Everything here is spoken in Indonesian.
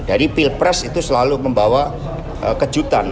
pilpres itu selalu membawa kejutan